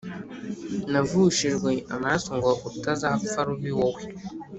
Navushijwe amaraso ngo utazpfa rubi wowe